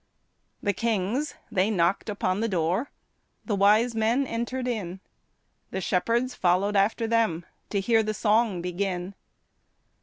The kings they knocked upon the door, The wise men entered in, The shepherds followed after them To hear the song begin.